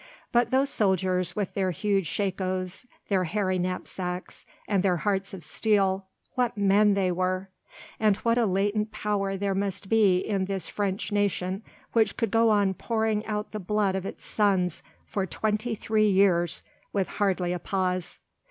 But those soldiers, with their huge shakoes, their hairy knapsacks, and their hearts of steel—what men they were! And what a latent power there must be in this French nation which could go on pouring out the blood of its sons for twenty three years with hardly a pause!